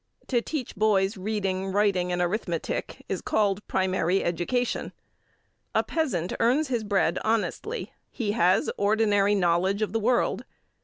To teach boys reading, writing and arithmetic is called primary education. A peasant earns his bread honestly. He has ordinary knowledge of the world.